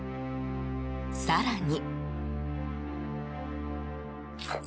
更に。